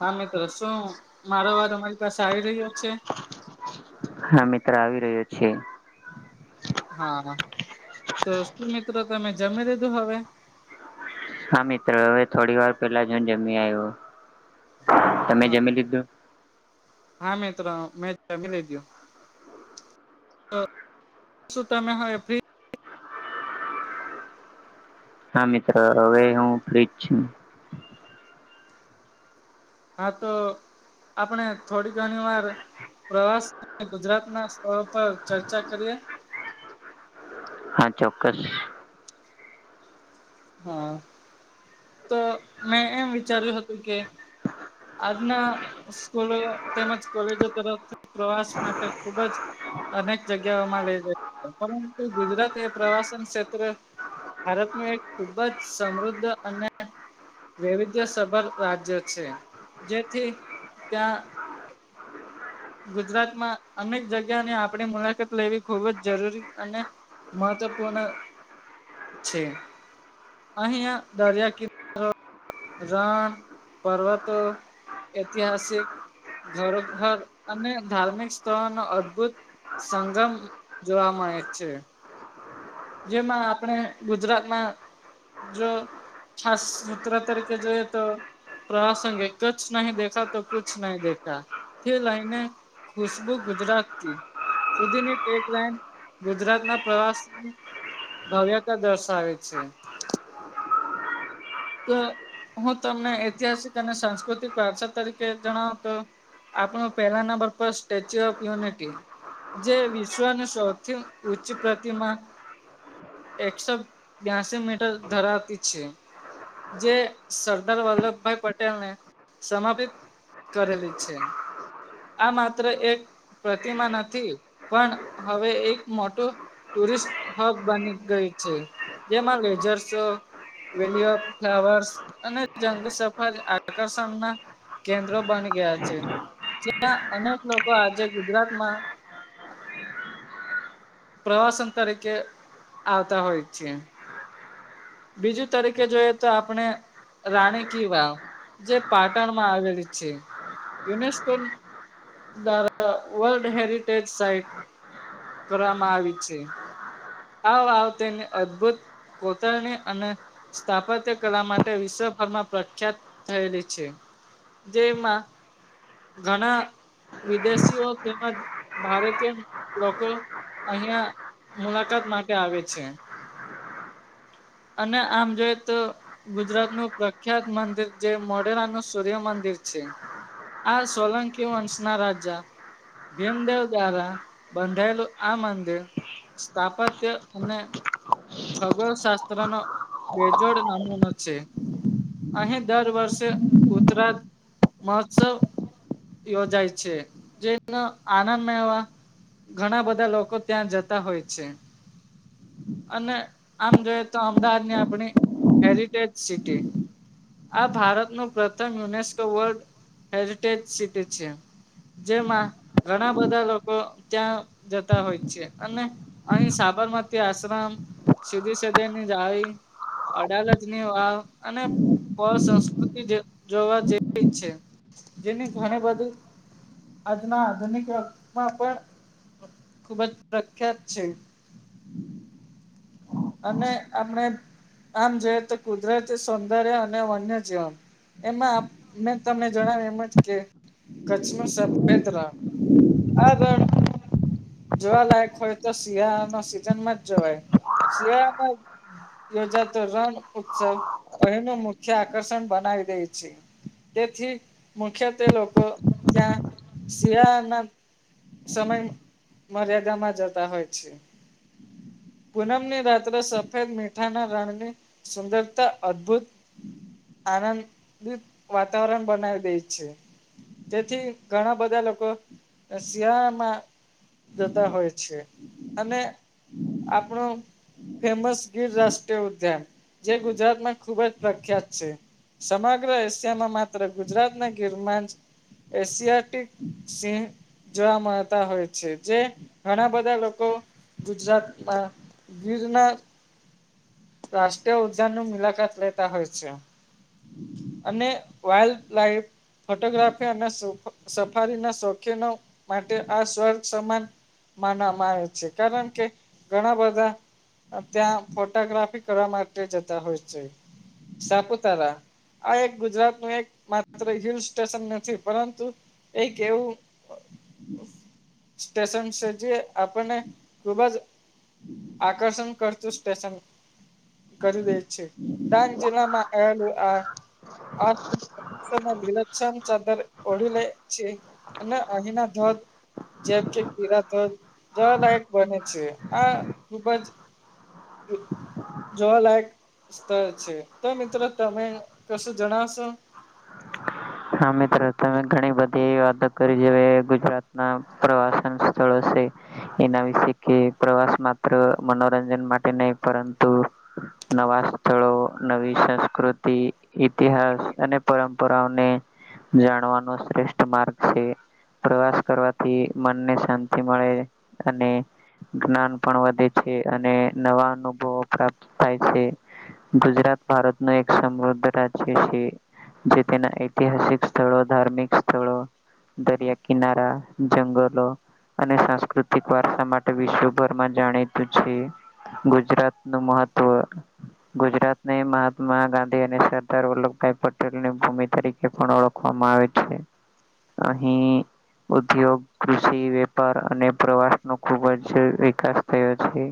હા મિત્ર શું મારો અવાજ અમારી પાસે આવી રહ્યો છે? હા મિત્ર આવી રહ્યો છે. હા તો શું મિત્ર તમે જમી લીધું હવે? હા મિત્ર હવે થોડી વાર પેલા જ હુંજમી આવ્યો. હ તમે જમી લીધું હા મિત્ર હવે મેં જમી લીધું. શું તમે હવે ફ્રી હા મિત્ર હવે હું ફ્રી જ છું. હા તો આપણે થોડી ઘણી વાર પ્રવાસ અને ગુજરાત ના સ્થળો પર ચર્ચા કરીએ. હા ચોક્કસ. હ તો મેં એમ વિચાર્યું હતું કે આજના સ્કૂલો તેમજ કોલેજો તરફથી પ્રવાસ માટે ખુબ જ અનેક જગ્યાઓમાં લઈ જાય પરંતુ ગુજરાત એ પ્રવાસન ક્ષેત્ર ભારતનું એક ખૂબ જ સમૃદ્ધ અને વૈવિધ્યસભર રાજ્ય છે જેથી ત્યાં ગુજરાતમાં અનેક જગ્યાની આપણે મુલાકાત લેવી ખુબ જ જરૂરી અને મહત્વપૂર્ણ છે. અહીં આ દરિયા કિ રણ, પર્વતો, ઐતિહાસિક ધરોહર અને ધાર્મિક સ્થળોનો અદ્ભુત સંગમ જોવા મળે છે. જેમાં આપણે ગુજરાતમાં જો ખાસ સત્ર તરીકે જોઈ એ તો પ્રસંગિક કચ્છ નહી દેખા તો કુછ નહીં દેખા થી લઈને ખુશબુ ગુજરાતથી સુધીની એક લાઇન ગુજરાત ના પ્રવાસ ભવ્યતા દર્શાવે છે. તો હું તમને ઐતિહાસિક અને સાંસ્કૃતિક વારસા તરીકે જણાવુ તો આપણું પહેલા નંબર પર સ્ટેચ્યુ ઓફ યુનિટી. જે વિશ્વનું સૌથી ઉચ્ચ પ્રતિમા એકસો બ્યાસી મીટર ધરાવતી છે. જે સરદાર વલ્લભભાઈ પટેલ ને સમાપિત કરેલી છે. આ માત્ર એક પ્રતિમા નથી પણ હવે એક મોટું ટુરિસ્ટ હબ બની ગઈ છે. જેમાં [unintelligible] ફ્લાવર્સ અને જંગ સફર આકર્ષણના કેન્દ્રો બની ગયા છે. જ્યાં અનેક લોકો આજે ગુજરાતમાં પ્રવાસન તરીકે આવતા હોય છે. બીજું તરીકે જોઈએ તો આપણે રાણી કી વાવ. જે પાટણમાં આવેલી છે. યુનેસ્કોન દ્વારા વર્લ્ડ હેરિટેજ સાઈટ કરવામાં આવી છે. આ વાવ તેને અદ્ભુત કોતરણી અને સ્થાપત્યકલા માટે વિશ્વભરમાં પ્રખ્યાત થયેલી છે. જેમાં ઘણા વિદેશીઓ તેમજ ભારતીયન લોકો અહીંયા મુલાકાત માટે આવે છે. અને આમ જોઈએ તો ગુજરાતનું પ્રખ્યાત મંદિર જે મોઢેરાનું સૂર્ય મંદિર છે. આ સોલંકી વંસના રાજા [unintelligible] દ્વારા બંધાયેલું આ મંદિર સ્થાપત્ય અને ખગોળશાસ્ત્રનો બેજોડ નમૂનો છે. અહીં દર વર્ષે ઉતરા મહોત્સવ યોજાય છે જેનો આનંદ મેળવા ઘણા બધા લોકો ત્યાં જતા હોય છે. અને આમ જોઈએ તો અમદાવાદની આપણી હેરિટેજ સિટી. આ ભારતનું પ્રથમ યુનેસ્કો વર્લ્ડ હેરિટેજ સિટી છે. જેમાં ઘણા બધા લોકો ત્યાં જતા હોય છે અને અહીં સાબરમતી આશ્રમ સીદી સધની જાળી અડાલજની વાવ અને અ સંસ્કૃતિ જોવા જેવી છે. જેની ઘણી બધી આજના આધુનિક વર્ગમાં પણ ખુબ જ પ્રખ્યાત છે. અને આપણે આમ જોઈએ તો કુદરતી સૌંદર્ય અને વન્યજીવન. એમાં મેં તમને જણાવ્યું એમ જ કે કચ્છનું સફેદ રણ. આગળ જોવાલાયક હોય તો શિયાળામાં સિઝનમાં જ જવાય. શિયાળામાં યોજાતો રણ ઉત્સવ અહીંનું મુખ્ય આકર્ષણ બનાવી દે છે. તેથી મુખ્યત્વે લોકો ત્યાં સિયાળાના સમયમર્યાદામાં જતા હોય છે. પૂનમની રાત્રે સફેદ મીઠાના રણની સુંદરતા અદ્ભુત આનંદિત વાતાવરણ બનાવી દે છે. તેથી ઘણા બધા લોકો સિયાળામાં જતા હોય છે અને આપણું ફેમસ ગીર રાષ્ટ્રીય ઉદ્યાન જે ગુજરાતમાં ખુબ જ પ્રખ્યાત છે. સમગ્ર એસિયામાં માત્ર ગુજરાતના ગિરમાંચ એસિયાટિક સિંહ જોવા મળતા હોય છે, જે ઘણા બધા લોકો ગુજરાત આ દીજના રાષ્ટ્રીય ઉદ્યાનનુ મુલાકાત લેતા હોય છે. અને વાઇલ્ડ લાઇફ ફોટોગ્રાફી અને સફારીના શોખીનો માટે આ સ્ર્ગ સમાન માનવામાં આવે છે, કારણ કે ઘણા બધા ત્યાં ફોટોગ્રાફી કરવા માટે જતા હોય છે, સાપુતારા આ એક ગુજરાતનું એક માત્ર હિલ સ્ટેશન નથી, પરંતુ એક એવું સ્ટેશન છે જે આપણને ખુબ જ આકર્ષણ કરતું સ્ટેશન કરી દે છે, ડાંગ જિલ્લામાં આવેલું આ આ કક્ષા મા વિલક્ષમ ચાદર ઓઢીલે છે. અને અહીંના ધોધ જેમ કે ગીરા ધોધ જોવા લાયક બને છે, આ ખુબ જ જોવા લાયક સ્ત છે તો મિત્રો તમે કશું જણાવશો. હા મિત્રો તમે ઘણી બધી વાતો કરી છે હવે ગુજરાત ના પ્રવાસન સ્થળો છે. એના વિશે કે પ્રવાસ માત્ર મનોરંજન માટે નહી પરંતુ નવા સ્થળો નવી સંસ્કૃતિ ઈતિહાસ અને પરંપરાઓને જાણવાનો શ્રેષ્ઠ માર્ગ છે, પ્રવાસ કરવાથી મનને શાંતિ મળે અને જ્ઞાન પણ વધે છે, અને નવા અનુભવો પ્રાપ્ત થાય છે. ગુજરાત ભારતનો એક સમૃદ્ધ રાજ્ય છે, જે તેના એક ઐતિહાસિક સ્થળો ધાર્મિક સ્થળો દરિયા કિનારા જંગલો અને સાંસ્કૃતિક વારસા માટે વિશ્વભરમાં જાણીતું છે. ગુજરાતનું મહત્વ ગુજરાતને મહાત્મા ગાંધી અને સરદાર વલ્લભભાઈ પટેલ ની ભૂમિ તરીકે એ પણ ઓળખવામાં આવે છે, અહી ઉદ્યોગ કૃષિ વેપાર અને પ્રવાસ નો ખુબ જ વિકાસ થયો છે.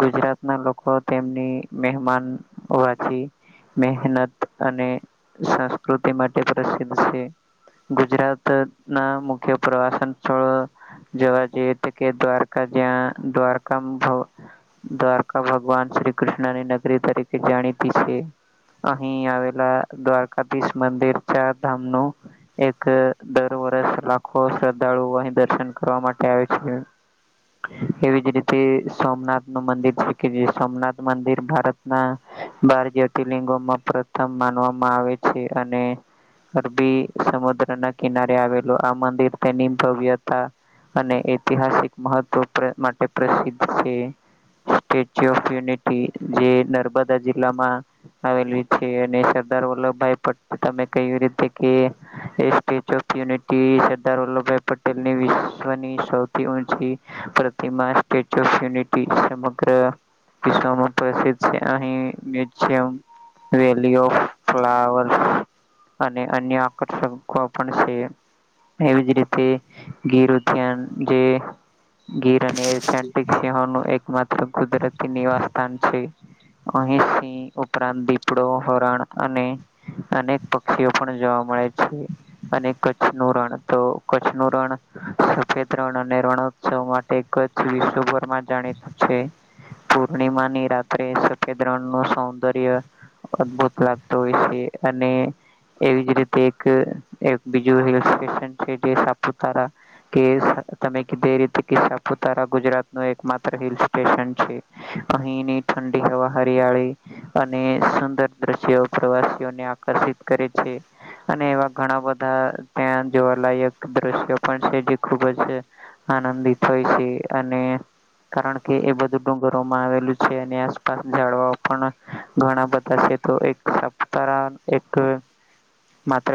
ગુજરાતના લોકો તેમની મહેમાન વાથી મહેનત અને સંસ્કૃતિ માટે પ્રસિદ્ધ છે. ગુજરાતના મુખ્ય પ્રવાસન સ્થળો જોવા જઈએ જે તો કે દ્વારકા જ્યાં દ્વારકામાં ભ દ્વારકા ભગવાન શ્રી કૃષ્ણની નગરી તરીકે જાણીતી છે. અહીં આવેલા દ્વારકાધીશ મંદિર ચાર ધામ નો એક દર વર્ષ લાખો શ્રદ્ધાળુઓ અહી દર્શન કરવા માટે આવે છે. એવી જ રીતે સોમનાથનું મંદિર શ કે સોમનાથ મંદિર ભારત ના બાર જ્યોતિર્લિંગોમાં પ્રથમ માનવામાં આવે છે. અને અરબી સમુદ્ર ના કિનારે આવેલું આ મંદિર તેની ભવ્યતા અને ઐતિહાસિક મહત્વ માટે પ્રસિદ્ધ છે. સ્ટેચ્યુ ઓફ યુનિટી જે નર્મદા જિલ્લામાં આવેલી છે અને સરદાર વલ્લભભાઈ પટેલ તમે કવી રીતે કે એ statue of unity Sardar Vallabhbhai Patel ની વિશ્વની સૌ થી ઓછી પ્રતિમા સ્ટેચુ ઓફ યુનિટી સમગ્ર વિશ્વમાં પ્રસિદ્ધ છે અહી મ્યુિયમ વેલી ઓફ ફ્લાવર અને અન્ય આકર્ષકો પણ છે. એવી જ રીતે ગીર ઉદ્યાન જે ગીર અને એસીયન્ટિક સિહો ન એકમાત્ર કુદરતી નિવાસ સ્થાન છે. અહીં સિંહ ઉપરાંત દીપડો હરણ અને અનેક. પક્ષીઓ પણ જોવા મળે છે અને કચ્છનું રણ તો કચ્છનું રણ સફેદ રણ અને રણોત્સવ માટે કચ્છ વિશ્વભરમાં જાણીતું છે. પૂર્ણિમાની રાત્રે સફેદ રણ નું સૌંદર્ય અદભુત લાગતો હોય છે અને એવી જ રીતે એક અહ એક બીજું હિલ સ્ટેશન છે જે સાપુતારા કે સ તમે કીધે રીતે કિસ્સા આપ તારા ગુજરાત ન એક માત્ર હિલ સ્ટેશન છે. અહીની ઠંડી હવા હરિયાળી અને સુંદર દ્રશ્યો પ્રવાસીઓને આકર્ષિત કરે છે. અને એવા ઘણા બધા ત્યાં જોવાલાયક દ્રશ્યો પણ છે જે ખુબ જ આનંદિત હોય છે. અને કારણ કે એ બધું ડુંગરોમાં આવેલું છે અને આસપાસ ઝડવાઓ પણ ઘણા બધા છે. તો એક સાપુતારા એક માત્ર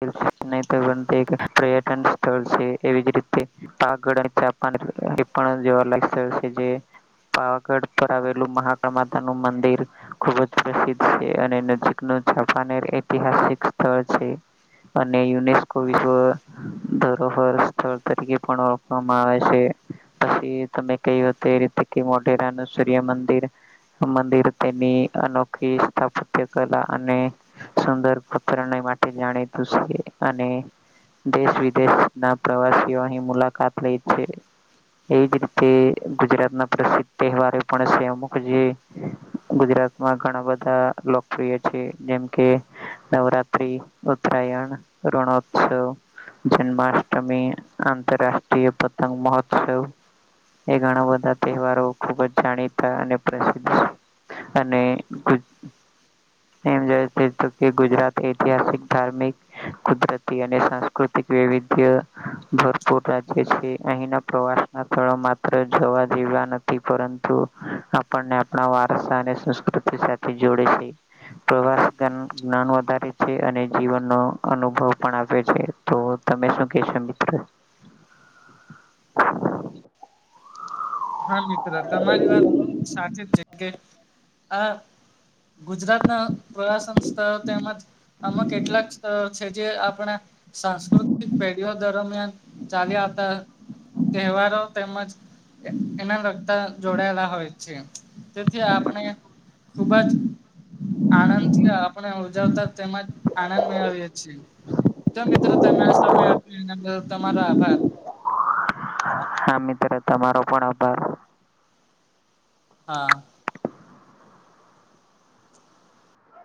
[unintelligible] એક પર્યટન સ્થળ છે એવી જ રીતે પાગળ અને ચાપાન એ પણ જોવા લાયક સ્થળ છે જે પાવાગઢ પર આવેલું મહાકળ માતા નું મંદિર ખુબ જ પ્રસિદ્ધ છે અને નજીક નું જાપાન ઐતિહાસિક સ્થળ છે. અને યુનેસ્કો વિશ્વ ધરોહર સ્થળ તરીકે પણ ઓળખવામાં આવે છે. પછી તમે કયો તે રીતે એ મોઢેરાનું સૂર્ય મંદિર મંદિર તેની અનોખી સ્થાપત્ય કલા અને સુંદર પત્રા માટે જાણીતું છે અને દેશ વિદેશ ના પ્રવાસીઓ અહી મુલાકાત લઈ છે. એજ રીતે ગુજરાતના પ્રસિદ્ધ તહેવારો પણ છે. અમુક જે ગુજરાતમાં ઘણા બધા લોકપ્રિય છે. જેમ કે નવરાત્રી ઉત્તરાયણ રઋણોત્સવ જન્માષ્ટમી અંતરરાષ્ટ્રીય પતંગ મહોત્સવ. એ ઘણા બધા તહેવારો ખુબ જ જાણીતા અને પ્રસિદ્ધ છે. અને ગુ એમ જોય તો કે ગુજરાત ઐતિહાસિક ધાર્મિક કુદરતી અને સાંસ્કૃતિક વૈવિધ્ય ભરપૂર ભાજવે છે. અહીંનો પ્રવાસ માત્ર જોવા જેવા નથી પરંતુ આપણને આપણા વારસા અને સંસ્કૃતિ સાથ જોડે છે. પ્રવાસ જ્ઞાન વધારે છે અને જીવનનો અનુભવ પણ આપે છે. તો તમે શું કેશો મિત્ર? હા મિત્ર તમારી વાત સાચી જ છે. કે આ ગુજરાતના પ્રવાસન સંથથા તેમજ આમાં કેટલાક સ્ળ છે જે આપણા સાંસ્કૃતિક પેઢીઓ દરમિયાન ચાલી આવતા તહેવારો તેમજ એના લગતા જોડાયેલા હોય છે. તેથી આપણે ખુબજ આનંદ થી આપને ઉજવતા તેજ આનંદ મેળવીએ છીએ. તો મિત્રો તમે આ સમય આપો એનો તમારો આભાર. હા મિત્ર તમારો પણ આભાર. હા.